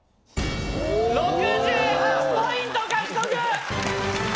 ６８ポイント獲得。